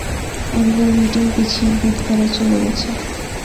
Ariel meeting পিছিয়ে বুধবারে চলে গেছে।